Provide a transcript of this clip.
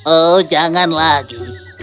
oh jangan lagi